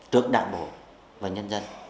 trước đảng bộ và nhân dân